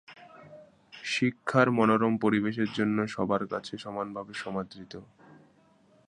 শিক্ষার মনোরম পরিবেশের জন্য সবার কাছে সমানভাবে সমাদৃত।